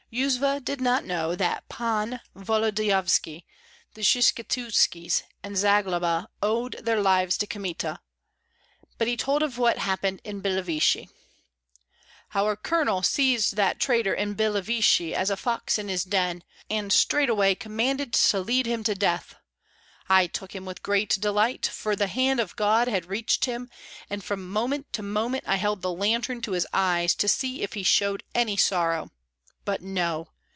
Yuzva did not know that Pan Volodyovski, the Skshetuskis, and Zagloba owed their lives to Kmita; but he told of what had happened in Billeviche, "Our colonel seized that traitor in Billeviche, as a fox in his den, and straightway commanded to lead him to death; I took him with great delight, for the hand of God had reached him, and from moment to moment I held the lantern to his eyes, to see if he showed any sorrow. But no!